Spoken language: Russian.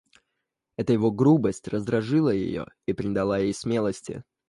Эта его грубость раздражила ее и придала ей смелости.